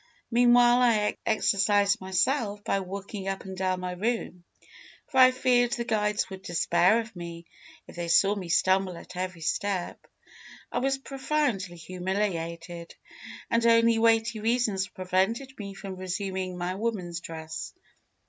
Meanwhile, I exercised myself by walking up and down my room, for I feared the guides would despair of me if they saw me stumble at every step. I was profoundly humiliated, and only weighty reasons prevented me from resuming my woman's dress.